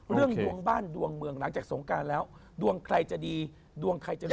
ดวงบ้านดวงเมืองหลังจากสงการแล้วดวงใครจะดีดวงใครจะดี